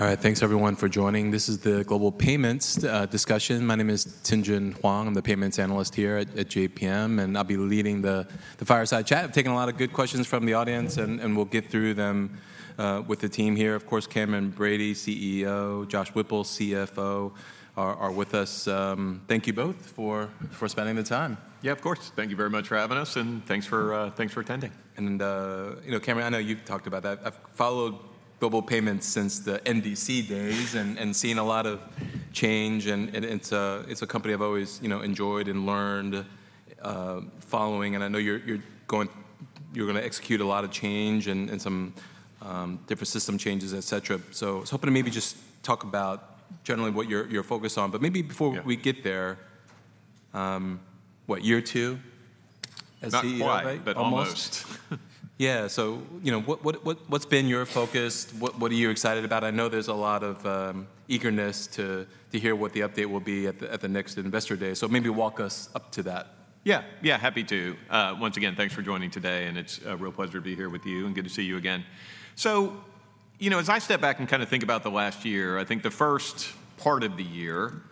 All right, thanks everyone for joining. This is the Global Payments discussion. My name is Tien-Tsin Huang. I'm the Payments Analyst here at JPM, and I'll be leading the fireside chat. I've taken a lot of good questions from the audience, and we'll get through them with the team here. Of course, Cameron Bready, CEO, Josh Whipple, CFO, are with us. Thank you both for spending the time. Yeah, of course. Thank you very much for having us, and thanks for, thanks for attending. And, you know, Cameron, I know you've talked about that. I've followed Global Payments since the NDC days and seen a lot of change, and it's a company I've always, you know, enjoyed and learned following. And I know you're going to execute a lot of change and some different system changes, et cetera. So I was hoping to maybe just talk about generally what you're focused on, but maybe before we get there, what, year two as CEO, right? Not quite but almost. Yeah. So, you know, what's been your focus? What are you excited about? I know there's a lot of eagerness to hear what the update will be at the next Investor Day. So maybe walk us up to that. Yeah. Yeah, happy to. Once again, thanks for joining today, and it's a real pleasure to be here with you, and good to see you again. So, you know, as I step back and kind of think about the last year, I think the first part of the year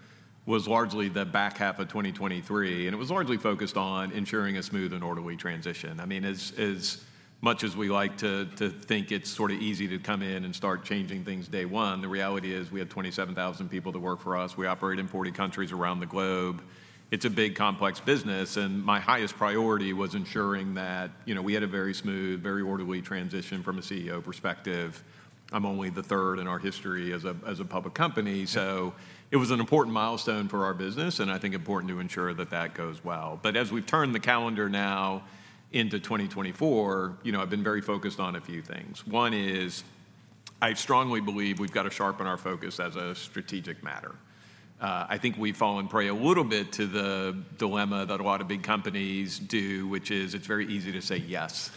was largely the back half of 2023, and it was largely focused on ensuring a smooth and orderly transition. I mean, as much as we like to think it's sort of easy to come in and start changing things day one, the reality is we have 27,000 people that work for us. We operate in 40 countries around the globe. It's a big, complex business, and my highest priority was ensuring that, you know, we had a very smooth, very orderly transition from a CEO perspective. I'm only the third in our history as a public company, so it was an important milestone for our business, and I think important to ensure that that goes well. But as we've turned the calendar now into 2024, you know, I've been very focused on a few things. One is, I strongly believe we've got to sharpen our focus as a strategic matter. I think we've fallen prey a little bit to the dilemma that a lot of big companies do, which is it's very easy to say yes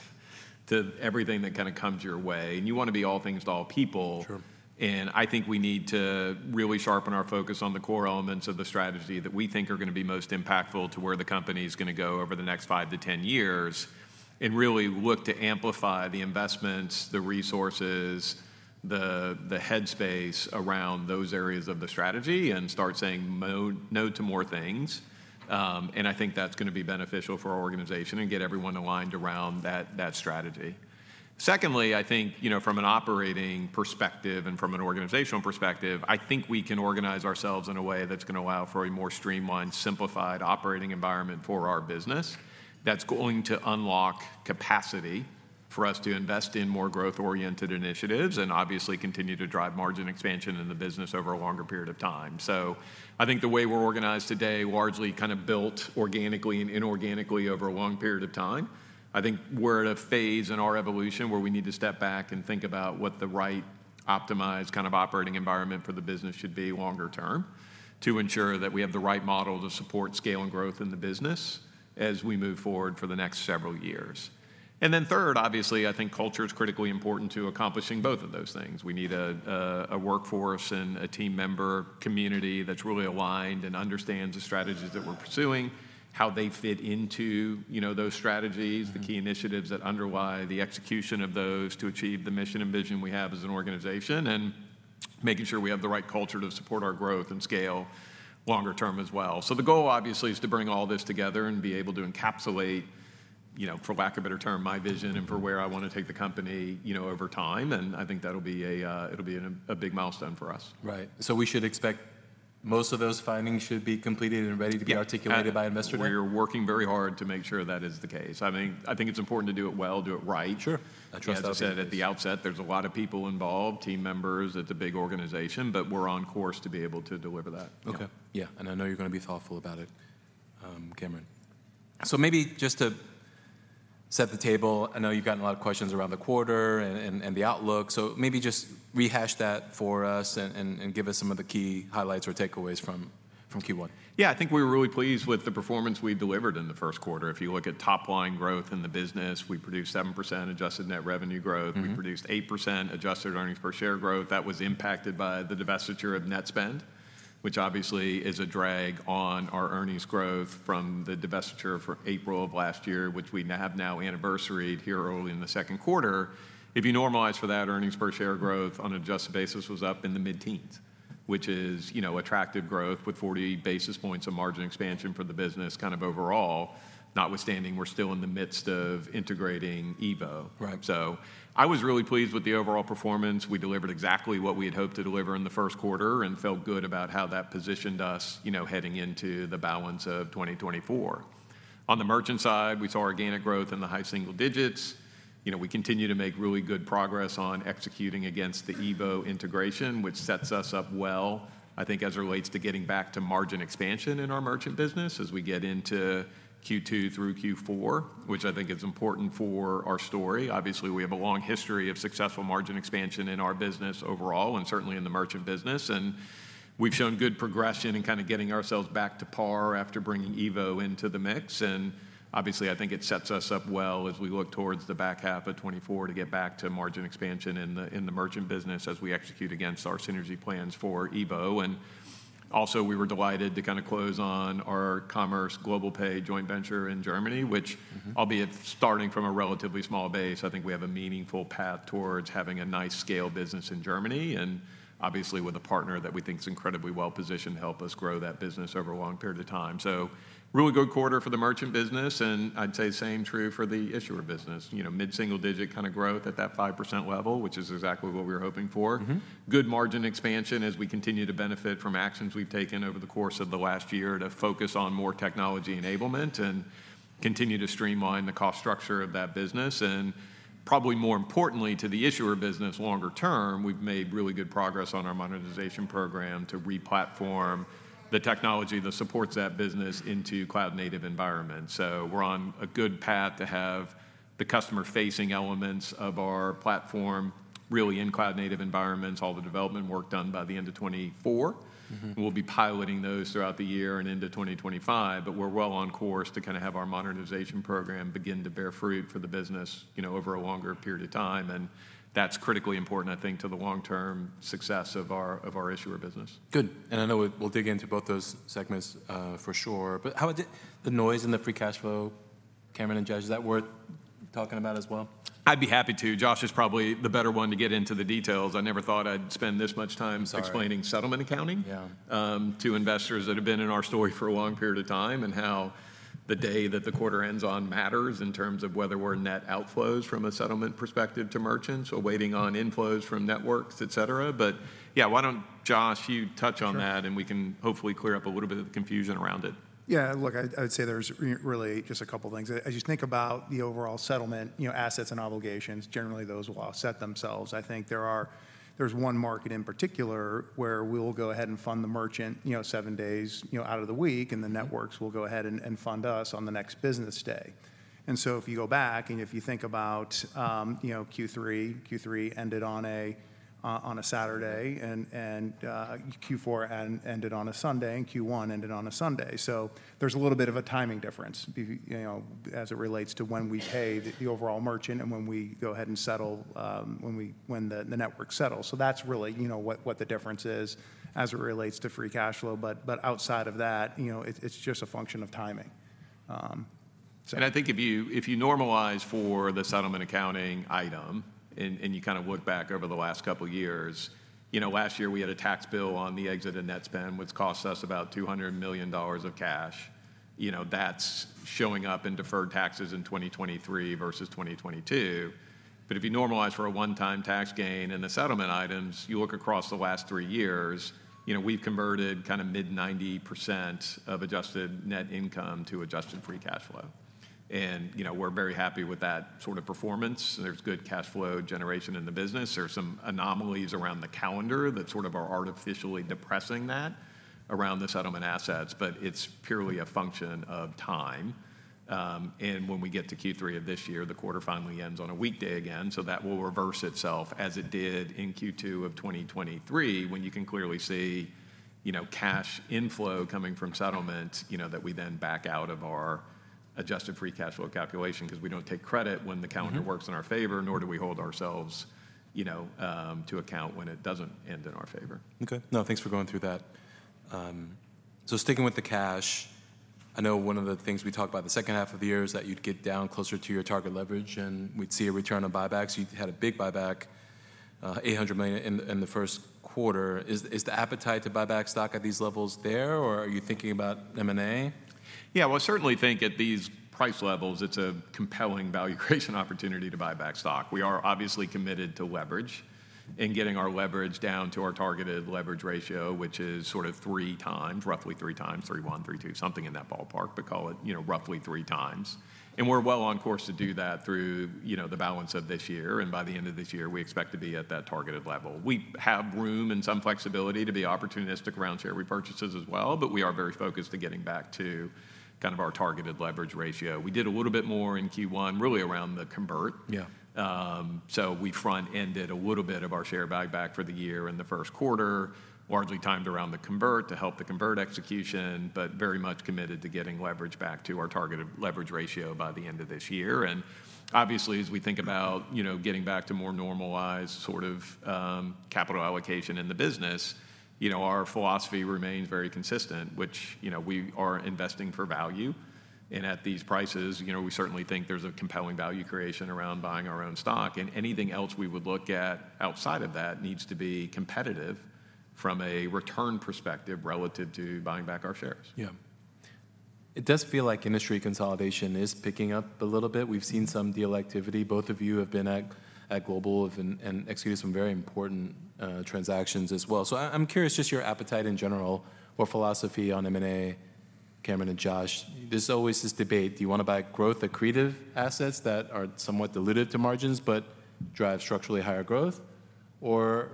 to everything that kind of comes your way, and you want to be all things to all people. Sure. I think we need to really sharpen our focus on the core elements of the strategy that we think are going to be most impactful to where the company is going to go over the next 5-10 years, and really look to amplify the investments, the resources, the head space around those areas of the strategy and start saying no to more things. I think that's going to be beneficial for our organization and get everyone aligned around that strategy. Secondly, I think, you know, from an operating perspective and from an organizational perspective, I think we can organize ourselves in a way that's going to allow for a more streamlined, simplified operating environment for our business. That's going to unlock capacity for us to invest in more growth-oriented initiatives and obviously continue to drive margin expansion in the business over a longer period of time. So I think the way we're organized today, largely kind of built organically and inorganically over a long period of time, I think we're at a phase in our evolution where we need to step back and think about what the right optimized kind of operating environment for the business should be longer term, to ensure that we have the right model to support scale and growth in the business as we move forward for the next several years. And then third, obviously, I think culture is critically important to accomplishing both of those things. We need a workforce and a team member community that's really aligned and understands the strategies that we're pursuing, how they fit into, you know, those strategies the key initiatives that underlie the execution of those to achieve the mission and vision we have as an organization, and making sure we have the right culture to support our growth and scale longer term as well. So the goal, obviously, is to bring all this together and be able to encapsulate, you know, for lack of a better term, my vision and for where I want to take the company, you know, over time, and I think that'll be a, it'll be an, a big milestone for us. Right. So we should expect most of those findings should be completed and ready to be articulated by Investor Day? We're working very hard to make sure that is the case. I think, I think it's important to do it well, do it right. Sure. I trust our. As I said at the outset, there's a lot of people involved, team members. It's a big organization, but we're on course to be able to deliver that. Yeah. Okay. Yeah, and I know you're going to be thoughtful about it, Cameron. So maybe just to set the table, I know you've gotten a lot of questions around the quarter and the outlook, so maybe just rehash that for us and give us some of the key highlights or takeaways from Q1. Yeah, I think we were really pleased with the performance we delivered in the first quarter. If you look at top-line growth in the business, we produced 7% adjusted net revenue growth. We produced 8% adjusted earnings per share growth. That was impacted by the divestiture of Netspend, which obviously is a drag on our earnings growth from the divestiture for April of last year, which we now have anniversaried here early in the second quarter. If you normalize for that, earnings per share growth on an adjusted basis was up in the mid-teens, which is, you know, attractive growth with 40 basis points of margin expansion for the business kind of overall, notwithstanding, we're still in the midst of integrating EVO. Right. So I was really pleased with the overall performance. We delivered exactly what we had hoped to deliver in the first quarter and felt good about how that positioned us, you know, heading into the balance of 2024. On the merchant side, we saw organic growth in the high single digits. You know, we continue to make really good progress on executing against the EVO integration, which sets us up well, I think, as it relates to getting back to margin expansion in our merchant business as we get into Q2 through Q4, which I think is important for our story. Obviously, we have a long history of successful margin expansion in our business overall, and certainly in the merchant business, and we've shown good progression in kind of getting ourselves back to par after bringing EVO into the mix. Obviously, I think it sets us up well as we look towards the back half of 2024 to get back to margin expansion in the merchant business as we execute against our synergy plans for EVO. Also, we were delighted to kind of close on our Commerz Global Payments joint venture in Germany, which albeit starting from a relatively small base, I think we have a meaningful path towards having a nice scale business in Germany, and obviously with a partner that we think is incredibly well-positioned to help us grow that business over a long period of time. So really good quarter for the merchant business, and I'd say same true for the issuer business. You know, mid-single digit kind of growth at that 5% level, which is exactly what we were hoping for. Good margin expansion as we continue to benefit from actions we've taken over the course of the last year to focus on more technology enablement and continue to streamline the cost structure of that business. Probably more importantly to the issuer business, longer term, we've made really good progress on our modernization program to re-platform the technology that supports that business into cloud-native environments. We're on a good path to have the customer-facing elements of our platform really in cloud-native environments, all the development work done by the end of 2024. We'll be piloting those throughout the year and into 2025, but we're well on course to kind of have our modernization program begin to bear fruit for the business, you know, over a longer period of time, and that's critically important, I think, to the long-term success of our, of our issuer business. Good. And I know we'll, we'll dig into both those segments, for sure. But how did the noise in the free cash flow, Cameron and Josh, is that worth talking about as well? I'd be happy to. Josh is probably the better one to get into the details. I never thought I'd spend this much time explaining settlement accounting to investors that have been in our story for a long period of time, and how the day that the quarter ends on matters in terms of whether we're net outflows from a settlement perspective to merchants or waiting on inflows from networks, et cetera. But yeah, why don't, Josh, you touch on that we can hopefully clear up a little bit of the confusion around it. Yeah, look, I'd say there's really just a couple things. As you think about the overall settlement, you know, assets and obligations, generally, those will offset themselves. I think there's one market in particular where we'll go ahead and fund the merchant, you know, seven days, you know, out of the week, and the networks will go ahead and fund us on the next business day. And so if you go back, and if you think about, you know, Q3, Q3 ended on a Saturday, and Q4 ended on a Sunday, and Q1 ended on a Sunday. So there's a little bit of a timing difference, you know, as it relates to when we pay the overall merchant and when we go ahead and settle, when the network settles. So that's really, you know, what the difference is as it relates to free cash flow. But outside of that, you know, it's just a function of timing. I think if you, if you normalize for the settlement accounting item, and you kind of look back over the last couple of years, you know, last year we had a tax bill on the exit of Netspend, which cost us about $200 million of cash. You know, that's showing up in deferred taxes in 2023 versus 2022. But if you normalize for a one-time tax gain in the settlement items, you look across the last three years, you know, we've converted kind of mid-90% of adjusted net income to adjusted free cash flow. And, you know, we're very happy with that sort of performance. There's good cash flow generation in the business. There are some anomalies around the calendar that sort of are artificially depressing that around the settlement assets, but it's purely a function of time. When we get to Q3 of this year, the quarter finally ends on a weekday again, so that will reverse itself, as it did in Q2 of 2023, when you can clearly see, you know, cash inflow coming from settlement, you know, that we then back out of our adjusted free cash flow calculation, because we don't take credit when the calendar works in our favor, nor do we hold ourselves, you know, to account when it doesn't end in our favor. Okay. No, thanks for going through that. So sticking with the cash, I know one of the things we talked about the second half of the year is that you'd get down closer to your target leverage, and we'd see a return on buybacks. You had a big buyback, $800 million in the first quarter. Is the appetite to buy back stock at these levels there, or are you thinking about M&A? Yeah, well, I certainly think at these price levels, it's a compelling value creation opportunity to buy back stock. We are obviously committed to leverage and getting our leverage down to our targeted leverage ratio, which is sort of 3x, roughly 3x, 3.1x, 3.2x, something in that ballpark, but call it, you know, roughly 3x. And we're well on course to do that through, you know, the balance of this year, and by the end of this year, we expect to be at that targeted level. We have room and some flexibility to be opportunistic around share repurchases as well, but we are very focused on getting back to kind of our targeted leverage ratio. We did a little bit more in Q1, really around the convert. Yeah. So we front-ended a little bit of our share buyback for the year in the first quarter, largely timed around the convert to help the convert execution, but very much committed to getting leverage back to our targeted leverage ratio by the end of this year. And obviously, as we think about, you know, getting back to more normalized sort of, capital allocation in the business, you know, our philosophy remains very consistent, which, you know, we are investing for value. And at these prices, you know, we certainly think there's a compelling value creation around buying our own stock, and anything else we would look at outside of that needs to be competitive from a return perspective relative to buying back our shares. Yeah. It does feel like industry consolidation is picking up a little bit. We've seen some deal activity. Both of you have been at Global and executed some very important transactions as well. So I'm curious, just your appetite in general or philosophy on M&A, Cameron and Josh. There's always this debate: Do you want to buy growth-accretive assets that are somewhat dilutive to margins but drive structurally higher growth?... or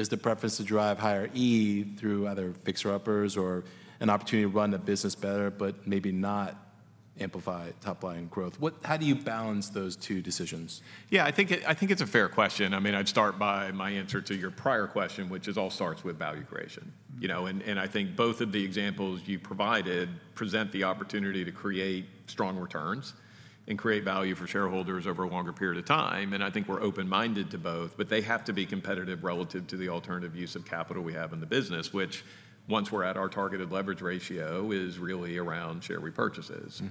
is the preference to drive higher E through either fixer-uppers or an opportunity to run the business better, but maybe not amplify top-line growth? What-how do you balance those two decisions? Yeah, I think it's a fair question. I mean, I'd start by my answer to your prior question, which is all starts with value creation. You know, and I think both of the examples you provided present the opportunity to create strong returns and create value for shareholders over a longer period of time, and I think we're open-minded to both. But they have to be competitive relative to the alternative use of capital we have in the business, which, once we're at our targeted leverage ratio, is really around share repurchases.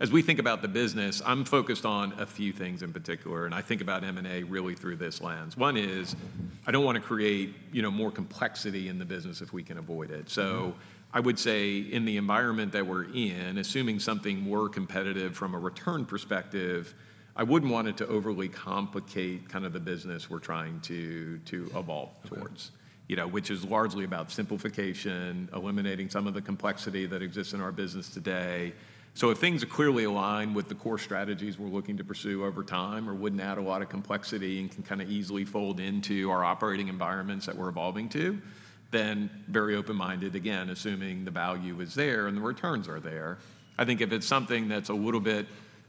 As we think about the business, I'm focused on a few things in particular, and I think about M&A really through this lens. One is, I don't want to create, you know, more complexity in the business if we can avoid it. I would say in the environment that we're in, assuming something were competitive from a return perspective, I wouldn't want it to overly complicate kind of the business we're trying to evolve towards. You know, which is largely about simplification, eliminating some of the complexity that exists in our business today. So if things are clearly aligned with the core strategies we're looking to pursue over time or wouldn't add a lot of complexity and can kind of easily fold into our operating environments that we're evolving to, then very open-minded, again, assuming the value is there and the returns are there. I think if it's something that's a little bit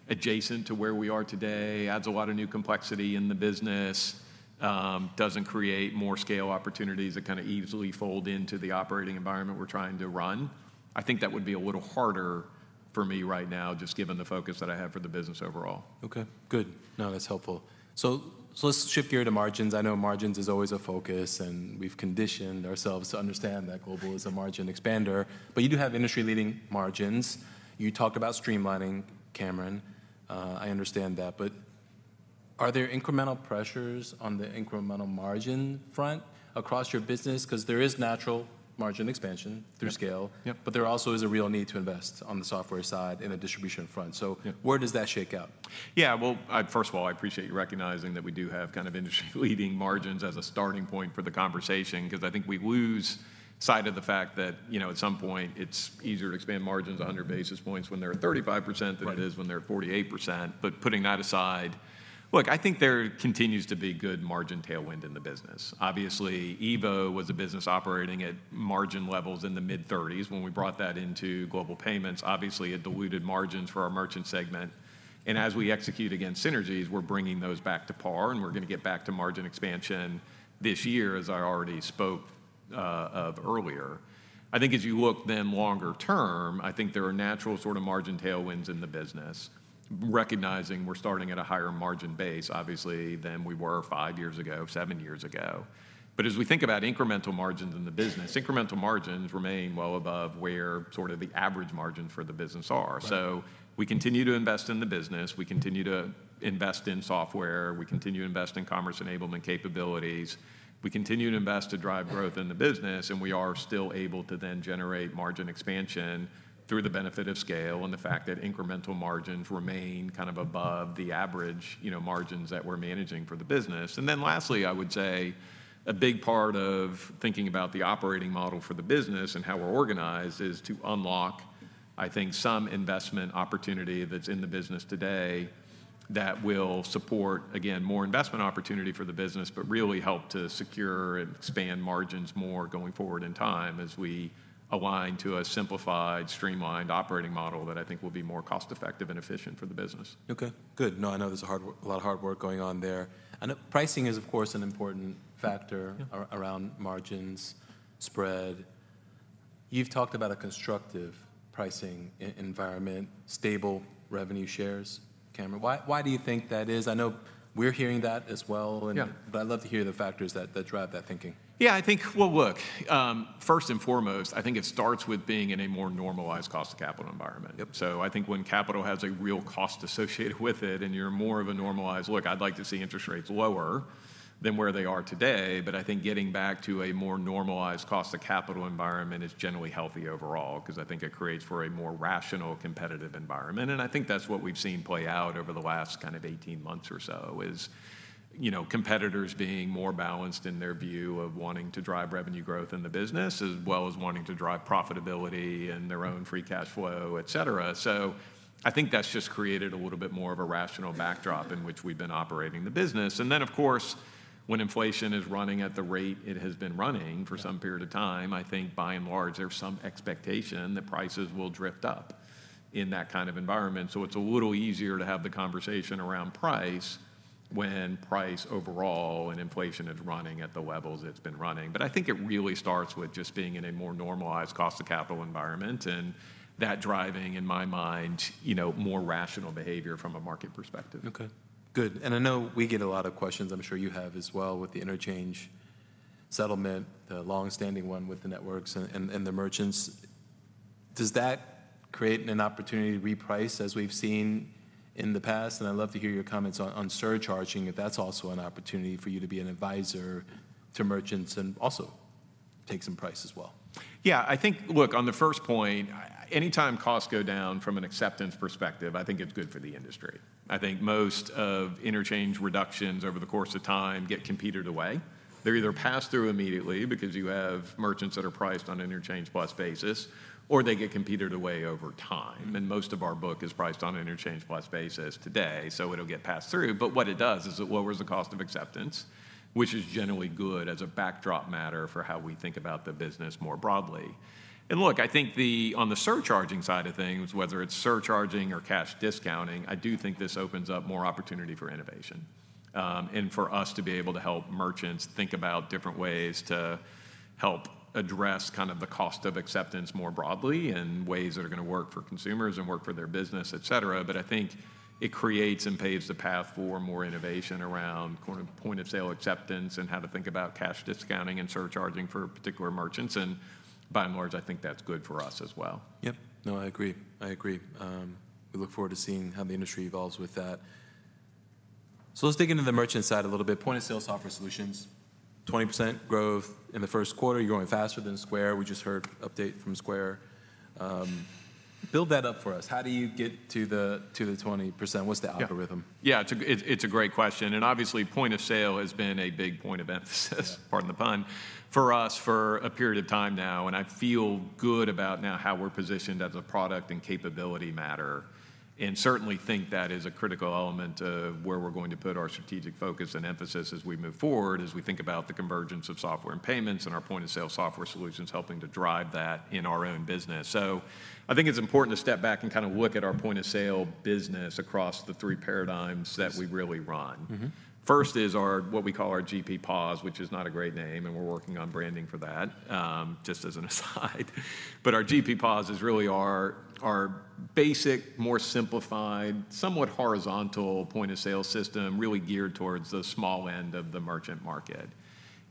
adjacent to where we are today, adds a lot of new complexity in the business, doesn't create more scale opportunities that kind of easily fold into the operating environment we're trying to run, I think that would be a little harder for me right now, just given the focus that I have for the business overall. Okay, good. No, that's helpful. So, let's shift gear to margins. I know margins is always a focus, and we've conditioned ourselves to understand that Global is a margin expander, but you do have industry-leading margins. You talked about streamlining, Cameron, I understand that, but are there incremental pressures on the incremental margin front across your business? Because there is natural margin expansion through scale. but there also is a real need to invest on the software side and the distribution front. Where does that shake out? Yeah. Well, first of all, I appreciate you recognizing that we do have kind of industry-leading margins as a starting point for the conversation, because I think we lose sight of the fact that, you know, at some point it's easier to expand margins 100 basis points when they're at 35% than it is when they're at 48%. But putting that aside, look, I think there continues to be good margin tailwind in the business. Obviously, EVO was a business operating at margin levels in the mid-30s. When we brought that into Global Payments, obviously it diluted margins for our merchant segment, and as we execute against synergies, we're bringing those back to par, and we're going to get back to margin expansion this year, as I already spoke of earlier. I think as you look then longer term, I think there are natural sort of margin tailwinds in the business, recognizing we're starting at a higher margin base, obviously, than we were five years ago, seven years ago. But as we think about incremental margins in the business, incremental margins remain well above where sort of the average margin for the business are. We continue to invest in the business. We continue to invest in software. We continue to invest in commerce enablement capabilities. We continue to invest to drive growth in the business, and we are still able to then generate margin expansion through the benefit of scale and the fact that incremental margins remain kind of above the average, you know, margins that we're managing for the business. Then lastly, I would say a big part of thinking about the operating model for the business and how we're organized is to unlock, I think, some investment opportunity that's in the business today that will support, again, more investment opportunity for the business, but really help to secure and expand margins more going forward in time as we align to a simplified, streamlined operating model that I think will be more cost-effective and efficient for the business. Okay, good. No, I know there's a lot of hard work going on there. I know pricing is, of course, an important factor around margins, spread. You've talked about a constructive pricing environment, stable revenue shares, Cameron. Why, why do you think that is? I know we're hearing that as well, and but I'd love to hear the factors that drive that thinking. Yeah, I think, well, look, first and foremost, I think it starts with being in a more normalized cost of capital environment. So I think when capital has a real cost associated with it, and you're more of a normalized... Look, I'd like to see interest rates lower than where they are today, but I think getting back to a more normalized cost of capital environment is generally healthy overall, 'cause I think it creates for a more rational, competitive environment. And I think that's what we've seen play out over the last kind of 18 months or so is, you know, competitors being more balanced in their view of wanting to drive revenue growth in the business, as well as wanting to drive profitability and their own free cash flow, et cetera. So I think that's just created a little bit more of a rational backdrop in which we've been operating the business. And then, of course, when inflation is running at the rate it has been running for some period of time, I think by and large there's some expectation that prices will drift up in that kind of environment. So it's a little easier to have the conversation around price when price overall and inflation is running at the levels it's been running. But I think it really starts with just being in a more normalized cost of capital environment, and that driving, in my mind, you know, more rational behavior from a market perspective. Okay, good. And I know we get a lot of questions, I'm sure you have as well, with the interchange settlement, the long-standing one with the networks and the merchants. Does that create an opportunity to reprice as we've seen in the past? And I'd love to hear your comments on surcharging, if that's also an opportunity for you to be an advisor to merchants and also take some price as well. Yeah, I think, look, on the first point, anytime costs go down from an acceptance perspective, I think it's good for the industry. I think most of interchange reductions over the course of time get competed away.... They either pass through immediately because you have merchants that are priced on interchange plus basis, or they get competed away over time. And most of our book is priced on interchange plus basis today, so it'll get passed through. But what it does is it lowers the cost of acceptance, which is generally good as a backdrop matter for how we think about the business more broadly. And look, I think on the surcharging side of things, whether it's surcharging or cash discounting, I do think this opens up more opportunity for innovation, and for us to be able to help merchants think about different ways to help address kind of the cost of acceptance more broadly, and ways that are going to work for consumers and work for their business, et cetera. But I think it creates and paves the path for more innovation around point-of-sale acceptance and how to think about cash discounting and surcharging for particular merchants. And by and large, I think that's good for us as well. Yep. No, I agree. I agree. We look forward to seeing how the industry evolves with that. So let's dig into the merchant side a little bit. Point-of-sale software solutions, 20% growth in the first quarter. You're growing faster than Square. We just heard update from Square. Build that up for us. How do you get to the 20%? Yeah. What's the algorithm? Yeah, it's a great question, and obviously, point of sale has been a big point of emphasis pardon the pun, for us for a period of time now, and I feel good about now how we're positioned as a product and capability matter. And certainly think that is a critical element of where we're going to put our strategic focus and emphasis as we move forward, as we think about the convergence of software and payments and our point-of-sale software solutions helping to drive that in our own business. So I think it's important to step back and kind of look at our point-of-sale business across the three paradigms that we really run. First is our, what we call our GP POS, which is not a great name, and we're working on branding for that, just as an aside. But our GP POS is really our, our basic, more simplified, somewhat horizontal point-of-sale system, really geared towards the small end of the merchant market.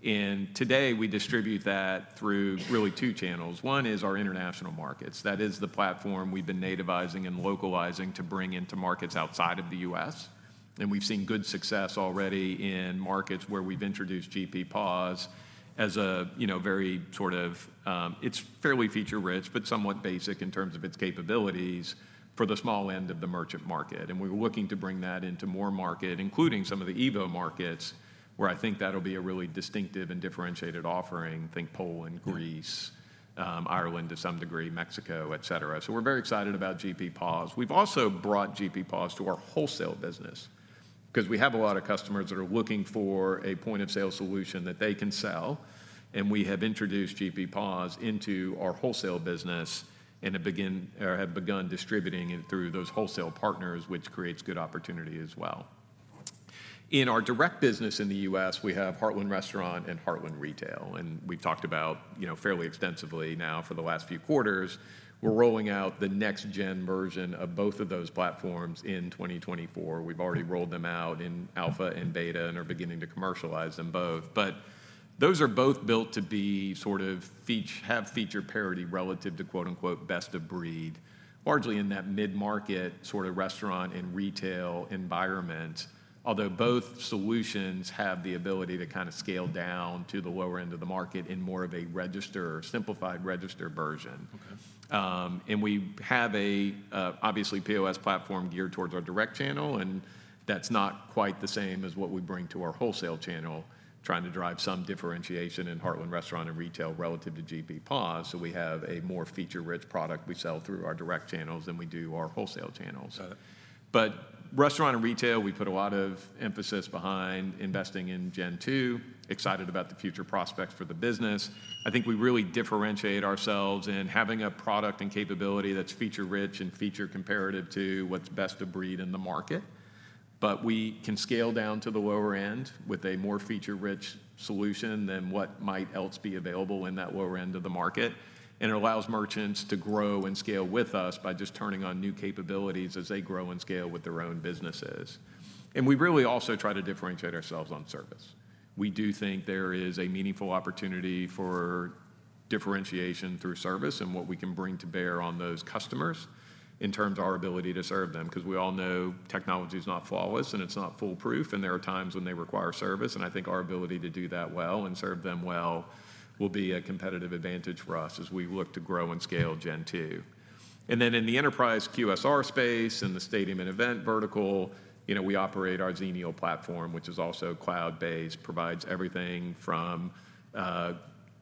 And today, we distribute that through really two channels. One is our international markets. That is the platform we've been nativizing and localizing to bring into markets outside of the U.S. And we've seen good success already in markets where we've introduced GP POS as a, you know, very sort of, it's fairly feature-rich, but somewhat basic in terms of its capabilities for the small end of the merchant market. We're looking to bring that into more market, including some of the EVO markets, where I think that'll be a really distinctive and differentiated offering, think Poland, Greece, Ireland to some degree, Mexico, et cetera. So we're very excited about GP POS. We've also brought GP POS to our wholesale business, 'cause we have a lot of customers that are looking for a point-of-sale solution that they can sell, and we have introduced GP POS into our wholesale business and have begun distributing it through those wholesale partners, which creates good opportunity as well. In our direct business in the U.S., we have Heartland Restaurant and Heartland Retail, and we've talked about, you know, fairly extensively now for the last few quarters. We're rolling out the next-gen version of both of those platforms in 2024. We've already rolled them out in alpha and beta and are beginning to commercialize them both. But those are both built to be sort of feature parity relative to, quote-unquote, "best of breed," largely in that mid-market sort of restaurant and retail environment. Although both solutions have the ability to kind of scale down to the lower end of the market in more of a register or simplified register version. We have, obviously, a POS platform geared towards our direct channel, and that's not quite the same as what we bring to our wholesale channel, trying to drive some differentiation in Heartland Restaurant and retail relative to GP POS. So we have a more feature-rich product we sell through our direct channels than we do our wholesale channels. Got it. But restaurant and retail, we put a lot of emphasis behind investing in Gen Two, excited about the future prospects for the business. I think we really differentiate ourselves in having a product and capability that's feature-rich and feature comparative to what's best of breed in the market. But we can scale down to the lower end with a more feature-rich solution than what might else be available in that lower end of the market. And it allows merchants to grow and scale with us by just turning on new capabilities as they grow and scale with their own businesses. And we really also try to differentiate ourselves on service. We do think there is a meaningful opportunity for differentiation through service and what we can bring to bear on those customers in terms of our ability to serve them, 'cause we all know technology is not flawless, and it's not foolproof, and there are times when they require service. I think our ability to do that well and serve them well will be a competitive advantage for us as we look to grow and scale Gen Two. And then in the enterprise QSR space and the stadium and event vertical, you know, we operate our Xenial platform, which is also cloud-based, provides everything from,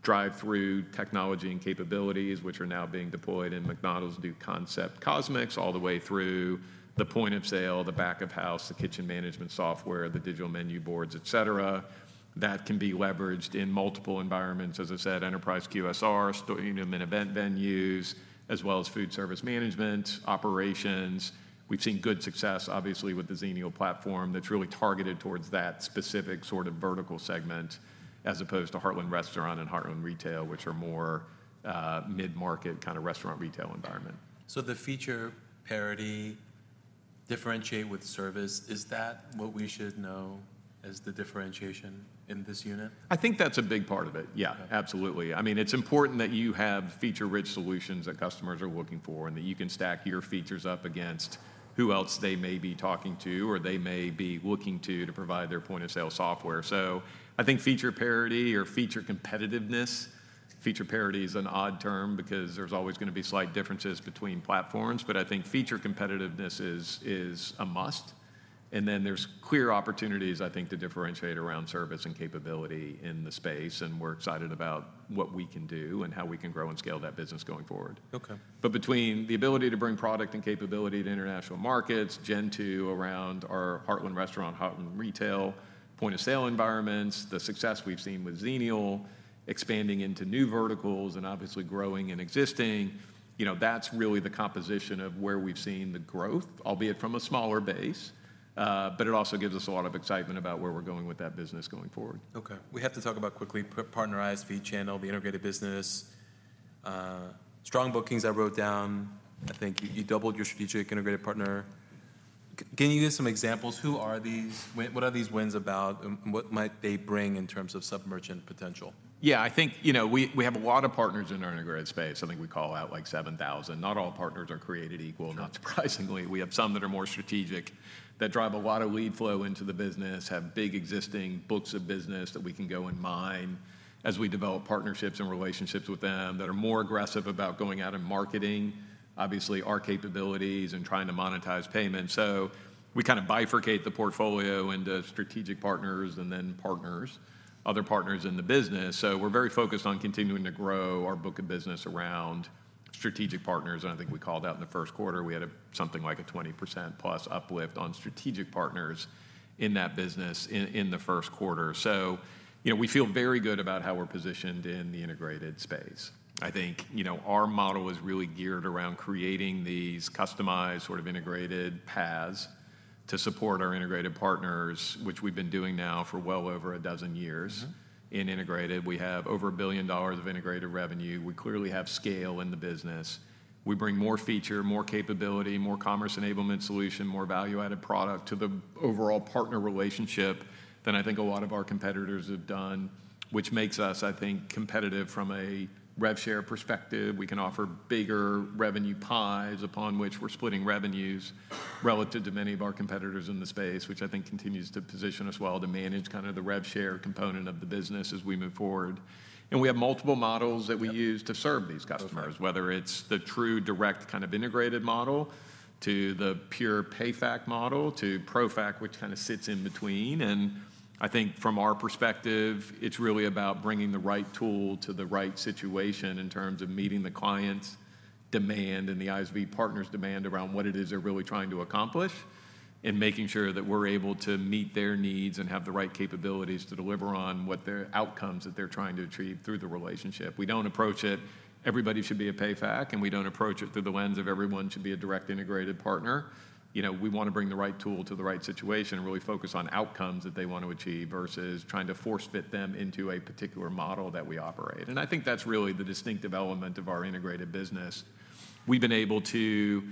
drive-through technology and capabilities, which are now being deployed in McDonald's new concept, CosMc's, all the way through the point of sale, the back of house, the kitchen management software, the digital menu boards, et cetera, that can be leveraged in multiple environments, as I said, enterprise QSR, stadium and event venues, as well as food service management, operations. We've seen good success, obviously, with the Xenial platform that's really targeted towards that specific sort of vertical segment, as opposed to Heartland Restaurant and Heartland Retail, which are more, mid-market kind of restaurant, retail environment. So the feature parity, differentiate with service, is that what we should know as the differentiation in this unit? I think that's a big part of it. Yeah absolutely. I mean, it's important that you have feature-rich solutions that customers are looking for, and that you can stack your features up against who else they may be talking to, or they may be looking to, to provide their point-of-sale software. So I think feature parity or feature competitiveness, feature parity is an odd term because there's always going to be slight differences between platforms, but I think feature competitiveness is, is a must.... And then there's clear opportunities, I think, to differentiate around service and capability in the space, and we're excited about what we can do and how we can grow and scale that business going forward. Okay. But between the ability to bring product and capability to international markets, Gen2 around our Heartland restaurant, Heartland Retail, point-of-sale environments, the success we've seen with Xenial expanding into new verticals and obviously growing and existing, you know, that's really the composition of where we've seen the growth, albeit from a smaller base. But it also gives us a lot of excitement about where we're going with that business going forward. Okay. We have to talk about quickly, partner ISV channel, the integrated business. Strong bookings I wrote down. I think you, you doubled your strategic integrated partner. Can you give some examples? Who are these? What are these wins about, and what might they bring in terms of sub-merchant potential? Yeah, I think, you know, we have a lot of partners in our integrated space. I think we call out, like, 7,000. Not all partners are created equal. Sure. Not surprisingly, we have some that are more strategic, that drive a lot of lead flow into the business, have big existing books of business that we can go and mine as we develop partnerships and relationships with them, that are more aggressive about going out and marketing, obviously, our capabilities and trying to monetize payments. So we kinda bifurcate the portfolio into strategic partners and then partners, other partners in the business. So we're very focused on continuing to grow our book of business around strategic partners, and I think we called out in the first quarter, we had something like a 20%+ uplift on strategic partners in that business in the first quarter. So, you know, we feel very good about how we're positioned in the integrated space. I think, you know, our model is really geared around creating these customized, sort of integrated paths to support our integrated partners, which we've been doing now for well over a dozen years. In integrated, we have over $1 billion of integrated revenue. We clearly have scale in the business. We bring more feature, more capability, more commerce enablement solution, more value-added product to the overall partner relationship than I think a lot of our competitors have done, which makes us, I think, competitive from a rev share perspective. We can offer bigger revenue pies upon which we're splitting revenues relative to many of our competitors in the space, which I think continues to position us well to manage kinda the rev share component of the business as we move forward. And we have multiple models that we use to serve these customers whether it's the true direct, kind of integrated model, to the pure PayFac model, to ProFac, which kinda sits in between. And I think from our perspective, it's really about bringing the right tool to the right situation in terms of meeting the client's demand and the ISV partner's demand around what it is they're really trying to accomplish, and making sure that we're able to meet their needs and have the right capabilities to deliver on what their outcomes that they're trying to achieve through the relationship. We don't approach it, "Everybody should be a PayFac," and we don't approach it through the lens of everyone should be a direct integrated partner. You know, we wanna bring the right tool to the right situation and really focus on outcomes that they want to achieve, versus trying to force fit them into a particular model that we operate. I think that's really the distinctive element of our integrated business. We've been able to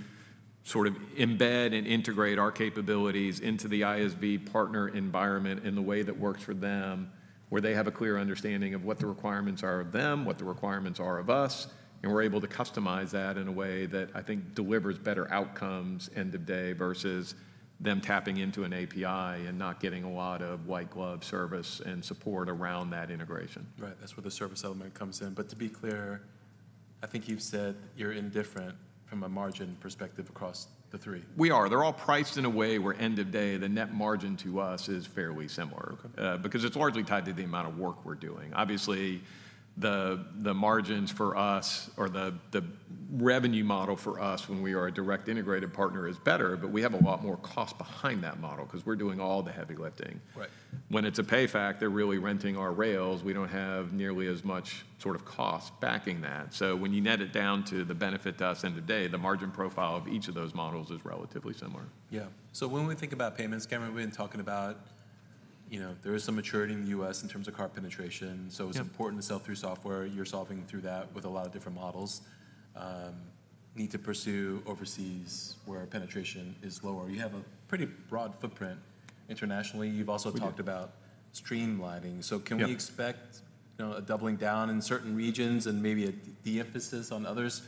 sort of embed and integrate our capabilities into the ISV partner environment in the way that works for them, where they have a clear understanding of what the requirements are of them, what the requirements are of us, and we're able to customize that in a way that I think delivers better outcomes end of day, versus them tapping into an API and not getting a lot of white glove service and support around that integration. Right. That's where the service element comes in. But to be clear, I think you've said you're indifferent from a margin perspective across the three. We are. They're all priced in a way where end of day, the net margin to us is fairly similar. Because it's largely tied to the amount of work we're doing. Obviously, the margins for us or the revenue model for us when we are a direct integrated partner is better, but we have a lot more cost behind that model 'cause we're doing all the heavy lifting. When it's a pay fac, they're really renting our rails, we don't have nearly as much sort of cost backing that. So when you net it down to the benefit to us end of day, the margin profile of each of those models is relatively similar. Yeah. So when we think about payments, Cameron, we've been talking about, you know, there is some maturity in the U.S. in terms of card penetration so it's important to sell through software. You're solving through that with a lot of different models. Need to pursue overseas, where penetration is lower. You have a pretty broad footprint internationally. You've also talked about streamlining. So can we expect, you know, a doubling down in certain regions and maybe a de-emphasis on others?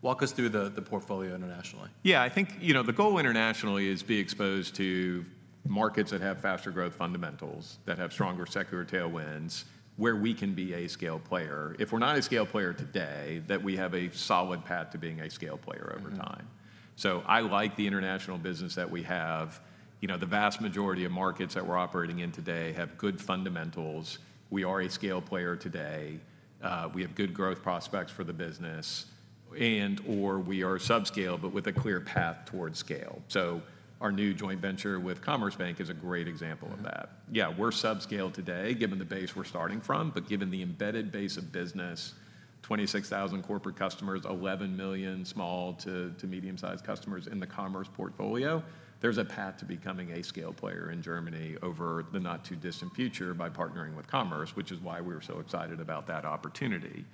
Walk us through the portfolio internationally. Yeah, I think, you know, the goal internationally is be exposed to markets that have faster growth fundamentals, that have stronger secular tailwinds, where we can be a scale player. If we're not a scale player today, that we have a solid path to being a scale player over time. So I like the international business that we have. You know, the vast majority of markets that we're operating in today have good fundamentals. We are a scale player today. We have good growth prospects for the business, and/or we are subscale but with a clear path towards scale. So our new joint venture with Commerzbank is a great example of that. Yeah, we're subscale today, given the base we're starting from, but given the embedded base of business, 26,000 corporate customers, 11 million small to medium-sized customers in the Commerz portfolio, there's a path to becoming a scale player in Germany over the not-too-distant future by partnering with Commerz, which is why we were so excited about that opportunity.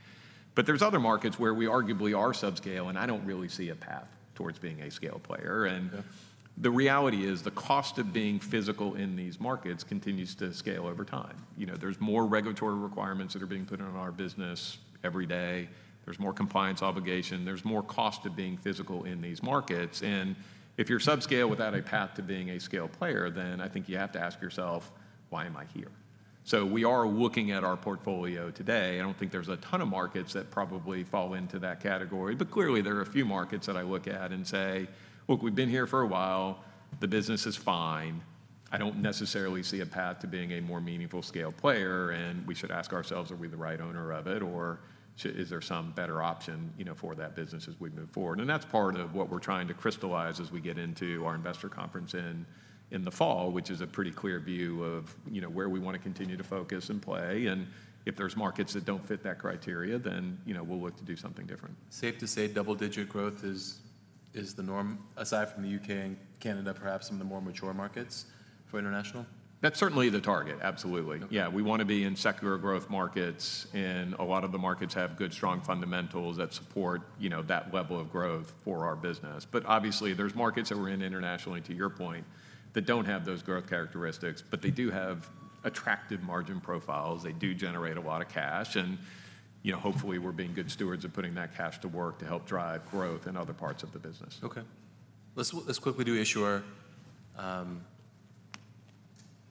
But there's other markets where we arguably are subscale, and I don't really see a path towards being a scale player, and the reality is, the cost of being physical in these markets continues to scale over time. You know, there's more regulatory requirements that are being put on our business every day. There's more compliance obligation. There's more cost to being physical in these markets, and if you're subscale without a path to being a scale player, then I think you have to ask yourself, "Why am I here?"... So we are looking at our portfolio today. I don't think there's a ton of markets that probably fall into that category, but clearly there are a few markets that I look at and say, "Look, we've been here for a while. The business is fine. I don't necessarily see a path to being a more meaningful scale player, and we should ask ourselves, are we the right owner of it, or is there some better option, you know, for that business as we move forward? And that's part of what we're trying to crystallize as we get into our investor conference in the fall, which is a pretty clear view of, you know, where we want to continue to focus and play, and if there's markets that don't fit that criteria, then, you know, we'll look to do something different. Safe to say double-digit growth is the norm, aside from the U.K. and Canada, perhaps some of the more mature markets for international? That's certainly the target. Absolutely. Yeah, we want to be in secular growth markets, and a lot of the markets have good, strong fundamentals that support, you know, that level of growth for our business. But obviously, there's markets that we're in internationally, to your point, that don't have those growth characteristics, but they do have attractive margin profiles. They do generate a lot of cash, and, you know, hopefully we're being good stewards of putting that cash to work to help drive growth in other parts of the business. Okay. Let's, let's quickly do issuer. You're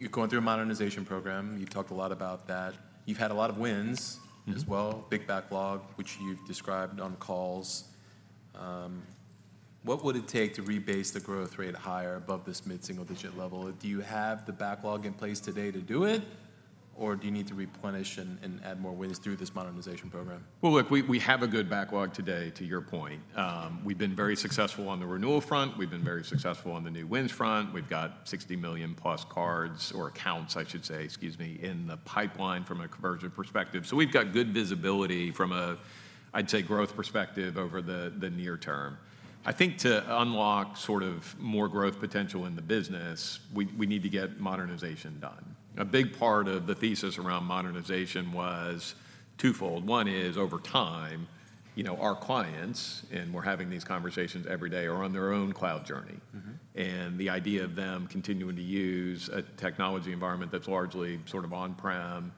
going through a modernization program. You've talked a lot about that. You've had a lot of wins as well, big backlog, which you've described on calls. What would it take to rebase the growth rate higher above this mid-single-digit level? Do you have the backlog in place today to do it, or do you need to replenish and add more wins through this modernization program? Well, look, we, we have a good backlog today, to your point. We've been very successful on the renewal front. We've been very successful on the new wins front. We've got 60 million-plus cards or accounts, I should say, excuse me, in the pipeline from a conversion perspective. So we've got good visibility from a, I'd say, growth perspective over the, the near term. I think to unlock sort of more growth potential in the business, we, we need to get modernization done. A big part of the thesis around modernization was twofold. One is, over time, you know, our clients, and we're having these conversations every day, are on their own cloud journey. The idea of them continuing to use a technology environment that's largely sort of on-prem,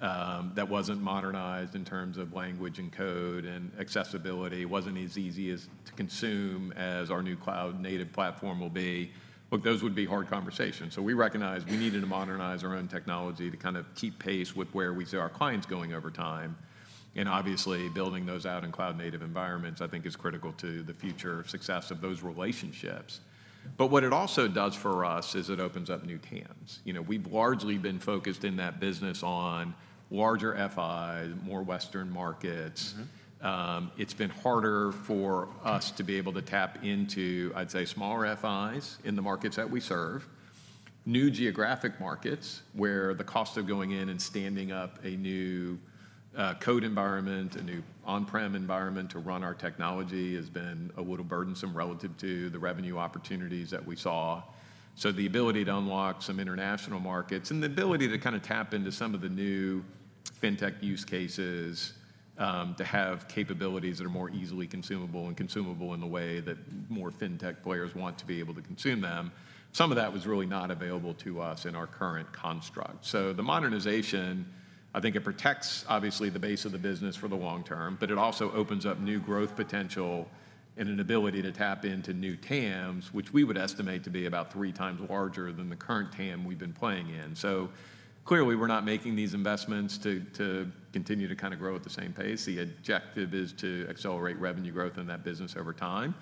that wasn't modernized in terms of language and code and accessibility, wasn't as easy as to consume as our new cloud-native platform will be. Look, those would be hard conversations, so we recognized we needed to modernize our own technology to kind of keep pace with where we see our clients going over time. And obviously, building those out in cloud-native environments, I think, is critical to the future success of those relationships. But what it also does for us is it opens up new TAMs. You know, we've largely been focused in that business on larger FIs, more Western markets. It's been harder for us to be able to tap into, I'd say, smaller FIs in the markets that we serve, new geographic markets, where the cost of going in and standing up a new code environment, a new on-prem environment to run our technology, has been a little burdensome relative to the revenue opportunities that we saw. So the ability to unlock some international markets and the ability to kind of tap into some of the new fintech use cases, to have capabilities that are more easily consumable and consumable in the way that more fintech players want to be able to consume them, some of that was really not available to us in our current construct. So the modernization, I think it protects, obviously, the base of the business for the long term, but it also opens up new growth potential and an ability to tap into new TAMs, which we would estimate to be about three times larger than the current TAM we've been playing in. So clearly, we're not making these investments to continue to kind of grow at the same pace. The objective is to accelerate revenue growth in that business over time,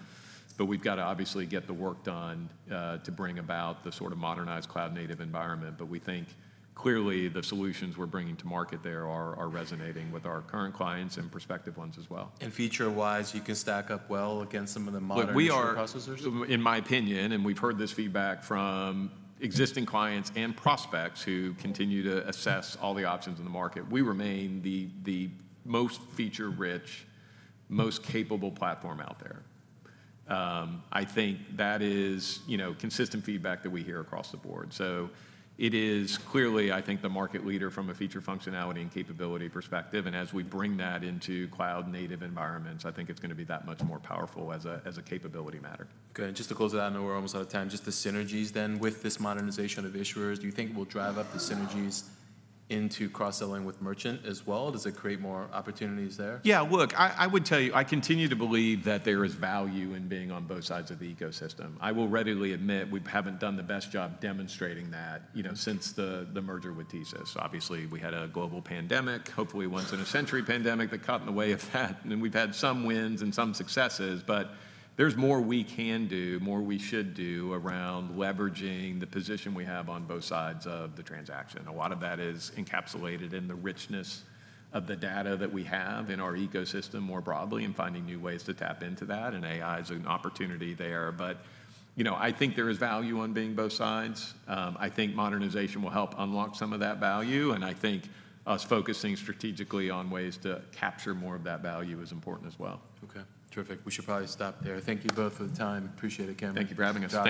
but we've got to obviously get the work done to bring about the sort of modernized cloud-native environment. But we think clearly the solutions we're bringing to market there are resonating with our current clients and prospective ones as well. Feature-wise, you can stack up well against some of the modern issuer processors? Look, we are, in my opinion, and we've heard this feedback from existing clients and prospects who continue to assess all the options in the market, we remain the most feature-rich, most capable platform out there. I think that is, you know, consistent feedback that we hear across the board. So it is clearly, I think, the market leader from a feature functionality and capability perspective, and as we bring that into cloud-native environments, I think it's going to be that much more powerful as a capability matter. Good. Just to close it out, I know we're almost out of time, just the synergies then with this modernization of issuers, do you think will drive up the synergies into cross-selling with merchant as well? Does it create more opportunities there? Yeah, look, I, I would tell you, I continue to believe that there is value in being on both sides of the ecosystem. I will readily admit we haven't done the best job demonstrating that, you know, since the merger with TSYS. Obviously, we had a global pandemic, hopefully once in a century pandemic, that got in the way of that. We've had some wins and some successes, but there's more we can do, more we should do, around leveraging the position we have on both sides of the transaction. A lot of that is encapsulated in the richness of the data that we have in our ecosystem more broadly, and finding new ways to tap into that, and AI is an opportunity there. You know, I think there is value in being both sides. I think modernization will help unlock some of that value, and I think us focusing strategically on ways to capture more of that value is important as well. Okay, terrific. We should probably stop there. Thank you both for the time. Appreciate it, Cam. Thank you for having us, Scott.